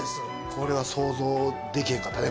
これは想像できへんかったね